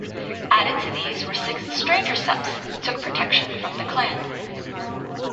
Added to these were six "stranger septs" who took protection from the clan.